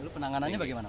penanganannya bagaimana pak